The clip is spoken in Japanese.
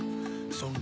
そう。